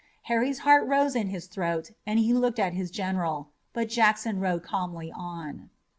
Harry's heart rose in his throat and he looked at his general. But Jackson rode calmly on.